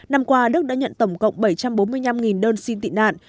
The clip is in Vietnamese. năm qua đức đã nhận tổng cộng bảy trăm bốn mươi năm đơn xin tị nạn